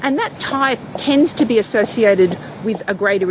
dan type influenza itu terkait dengan